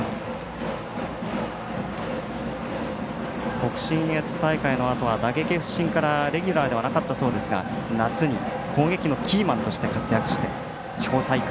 北信越大会のあとは打撃不振からレギュラーではなかったそうですが夏に攻撃のキーマンとして活躍し地方大会